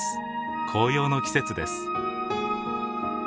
紅葉の季節です。